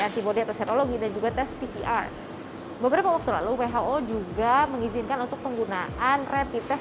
antibody atau serologi dan juga tes pcr beberapa waktu lalu who juga mengizinkan untuk penggunaan rapid test